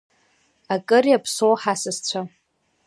Акыр иаԥсоу ҳасасцәа!